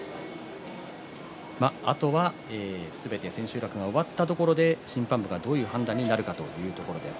あとは、すべて千秋楽が終わったところで審判部が、どういう判断になるかというところです。